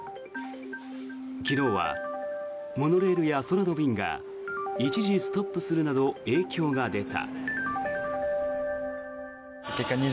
昨日はモノレールや空の便が一時ストップするなど影響が出た。